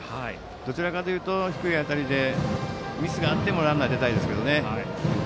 どちらかというと低い当たりでミスがあってもランナーに出たいですけどね。